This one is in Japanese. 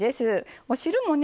お汁もね